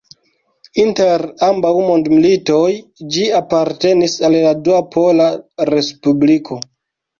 Inter ambaŭ mondmilitoj ĝi apartenis al la Dua Pola Respubliko.